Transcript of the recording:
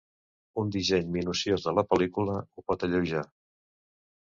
Un disseny minuciós de la pel·lícula ho pot alleujar.